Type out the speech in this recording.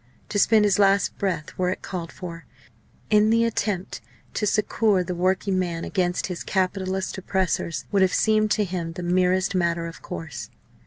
To spend his last breath, were it called for, in the attempt to succour the working man against his capitalist oppressors, would have seemed to him the merest matter of course.